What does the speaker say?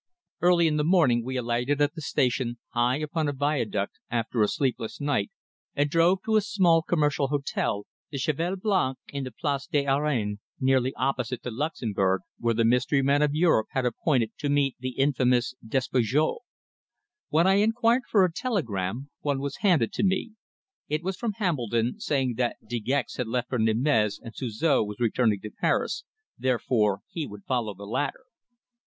Early in the morning we alighted at the station, high upon a viaduct, after a sleepless night, and drove to a small commercial hotel, the Cheval Blanc, in the Place des Arènes, nearly opposite the Luxembourg where the mystery man of Europe had appointed to meet the infamous Despujol. When I inquired for a telegram one was handed to me. It was from Hambledon, saying that De Gex had left for Nîmes and Suzor was returning to Paris, therefore he would follow the latter.